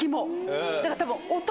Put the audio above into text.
だから多分。